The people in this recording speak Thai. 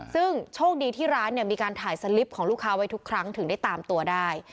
ซึ่งโชคดีที่ร้านเนี่ยมีการถ่ายสลิปของลูกค้าไว้ทุกครั้งถึงได้ตามตัวได้